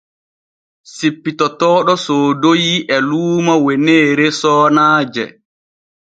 Cippitotooɗo soodoyi e luumo weneere soonaaje.